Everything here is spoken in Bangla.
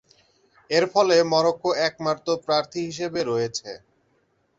এরফলে মরক্কো একমাত্র প্রার্থী হিসেবে রয়েছে।